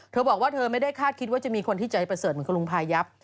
เธอบอกว่าเธอไม่ได้คาดคิดว่าจะมีคนที่ใจประเสริฐเหมือนคุณลุงพายับ